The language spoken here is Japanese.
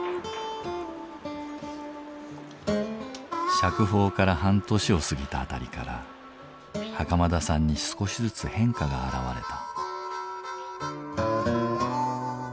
釈放から半年を過ぎたあたりから袴田さんに少しずつ変化が現れた。